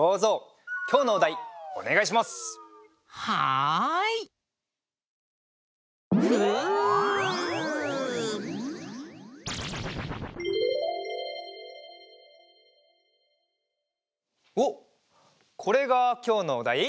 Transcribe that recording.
おっこれがきょうのおだい？